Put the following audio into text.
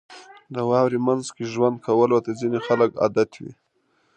• د واورې مینځ کې ژوند کولو ته ځینې خلک عادت وي.